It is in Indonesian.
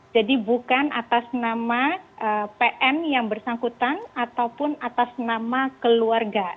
jadi bukan atas nama pn yang bersangkutan ataupun atas nama keluarga